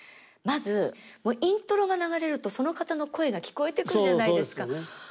まずイントロが流れるとその方の声が聞こえてくるじゃないですか。